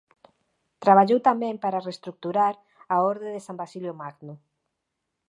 Traballou tamén para reestruturar a Orde de San Basilio Magno.